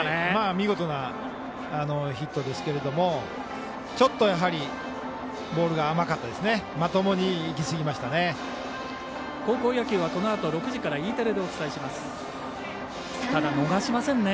見事なヒットですけれどもちょっとボールが甘かったですね。